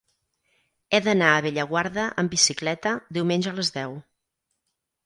He d'anar a Bellaguarda amb bicicleta diumenge a les deu.